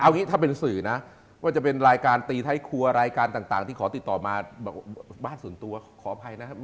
เอางี้ถ้าเป็นสื่อนะว่าจะเป็นรายการตีท้ายครัวรายการต่างที่ขอติดต่อมาแบบบ้านส่วนตัวขออภัยนะครับ